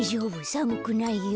さむくないよ。